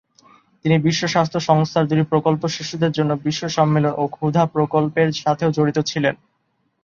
তিনি বিশ্ব স্বাস্থ্য সংস্থার দুটি প্রকল্প, শিশুদের জন্য বিশ্ব সম্মেলন ও ক্ষুধা প্রকল্পের সাথেও জড়িত ছিলেন।